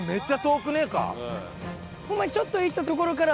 ホンマにちょっと行ったところから。